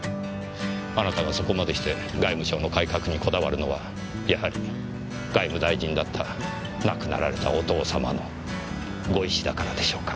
あなたがそこまでして外務省の改革にこだわるのはやはり外務大臣だった亡くなられたお父様のご遺志だからでしょうか？